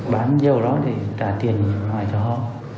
bán dầu đó để trả tiền ngoài cho họ